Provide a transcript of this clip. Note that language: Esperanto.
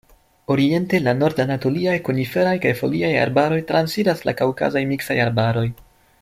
Oriente, la Nord-anatoliaj koniferaj kaj foliaj arbaroj transiras al Kaŭkazaj miksaj arbaroj.